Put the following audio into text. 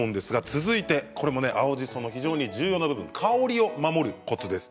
続いて青じその非常に重要な部分香りを守るコツです。